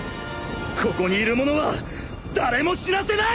ここにいる者は誰も死なせない！